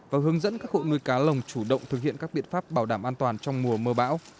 và hướng dẫn các hộ nuôi cá lồng chủ động thực hiện các biện pháp bảo đảm an toàn trong mùa mưa bão